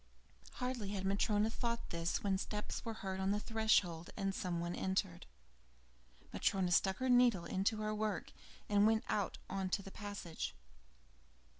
Hardly had Matryona thought this, when steps were heard on the threshold, and some one entered. Matryona stuck her needle into her work and went out into the passage.